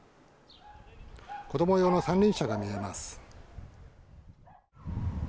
子供用の三輪車が見えます。